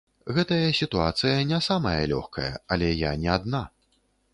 Гэтая сітуацыя не самая лёгкая, але я не адна.